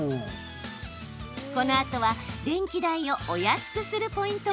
このあとは電気代をお安くするポイントもご紹介。